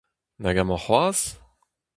Nag amañ c'hoazh ?